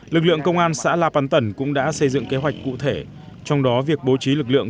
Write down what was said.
lực lượng công an xã la pắn tẩn cũng đã xây dựng kế hoạch cụ thể trong đó việc bố trí lực lượng